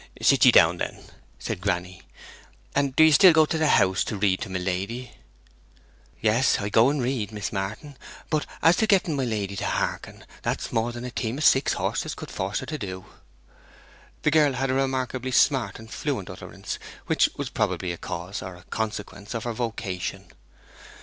'Sit ye down, then,' said granny. 'And do you still go to the House to read to my lady?' 'Yes, I go and read, Mrs. Martin; but as to getting my lady to hearken, that's more than a team of six horses could force her to do.' The girl had a remarkably smart and fluent utterance, which was probably a cause, or a consequence, of her vocation.